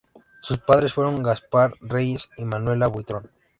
Sus padres fueron Gaspar Reyes y Manuela Buitrón.